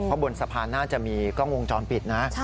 เพราะบนสะพานน่าจะมีกล้องวงจรปิดนะ